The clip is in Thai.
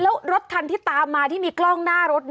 แล้วรถคันที่ตามมาที่มีกล้องหน้ารถ